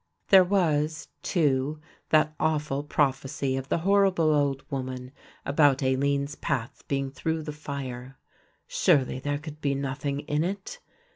There was too that awful prophecy of the horrible old woman about Aline's path being through the fire. Surely there could be nothing in it?